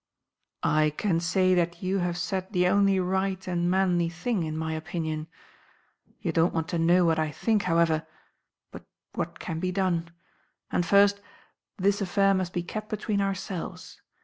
"I can say that you have said the only right and manly thing, in my opinion. You don't want to know what I think, however, but what can be done? And, first, this affair must be kept between ourselves.